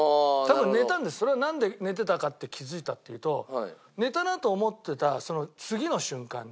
それはなんで寝てたかって気づいたっていうと寝たなと思ってたその次の瞬間に。